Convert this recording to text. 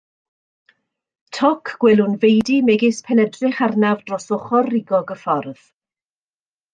Toc gwelwn feudy megis pe'n edrych arnaf dros ochr rugog y ffordd.